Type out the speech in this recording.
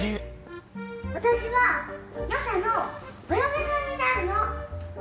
私はマサのお嫁さんになるの！